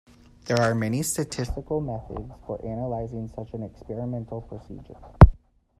There are many statistical methods for analyzing such an experimental procedure.